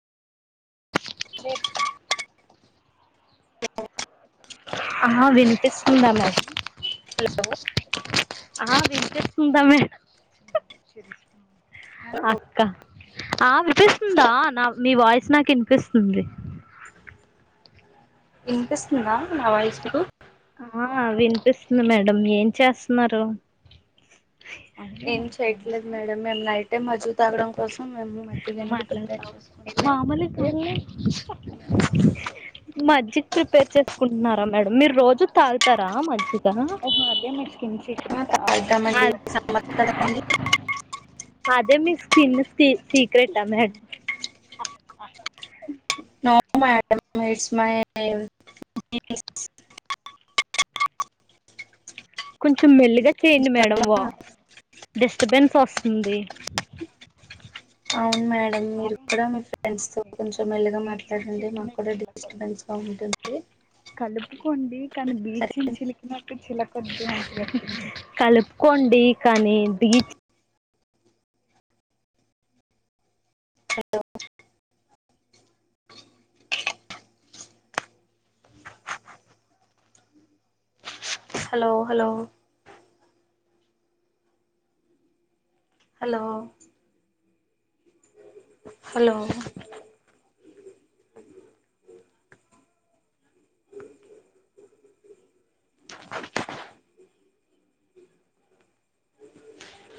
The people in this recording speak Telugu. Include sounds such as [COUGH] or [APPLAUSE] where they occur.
రే ఉన్నాన్నా [UNINTELLIGIBLE] హలో ఆ వినిపిస్తుందా మేడం అక్క ఆ వినిపిస్తుందా నా నీ వాయిస్ నాకు వినిపిస్తుంది వినిపిస్తుందా నా వాయిస్ మీకు ఆ వినిపిస్తుంది మేడం ఏం చేస్తున్నారు ఏం చెయట్లేదు మేడం మేము నైట్ టైం మజ్జిగ తాగడం కోసం మేము మజ్జిగ ను అనేది ప్రిపేర్ మాట్లాడతావు చేసుకుంటూ ఉన్నాము మామలు మధ్య [UNINTELLIGIBLE] ప్రిపేర్ చేసుకుంటున్నారా మేడమ్ మీరు రోజు తాగుతారా ముజ్జిగా ఒక మద్యనమే ఆ తాగుతామండి సమ్మర్ కదండి ్ర [UNINTELLIGIBLE] అదే మీ స్కిన్ సీక్రెట్ ఆ madam no madam it's my కొంచెం మెల్లిగా చేయండి మేడం వా డిస్టర్బెన్స్ వస్తుంది [INAUDIBLE] అవును మేడం మీరు కూడా మీ ఫ్రెండ్స్ తో కొంచెం మెల్లుగా మాట్లాడండి మాకు కూడా డిస్టర్బెన్స్ గా ఉంటుంది అ కలుపుకోండి కానీ బీచ్ని చిలికినట్డు చిలకొద్దు అంటే కలుపుకోండి కానీ బీచ్ హలో అ [UNINTELLIGIBLE] హలో హలో హలో హలో [INAUDIBLE]